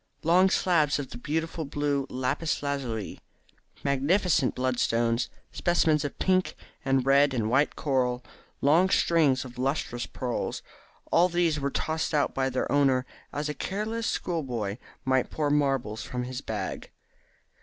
Long slabs of the beautiful blue lapis lazuli, magnificent bloodstones, specimens of pink and red and white coral, long strings of lustrous pearls, all these were tossed out by their owner as a careless schoolboy might pour marbles from his bag.